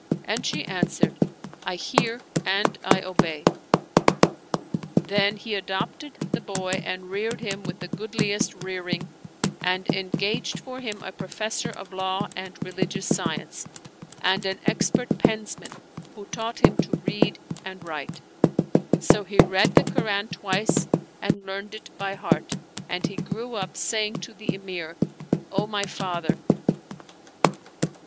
And she answered, " I hear and I obey." TTien he adopted the boy and reared him with the good liest rearing, and engaged for him a professor of law and religious science, and an expert pensman who taught him to read and write ; so he read the Koran twice and learned it by heart, and he grew up, saying to the Emir, " O my father